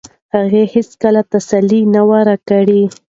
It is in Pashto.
هغې هیڅکله تسلي نه وه راکړې.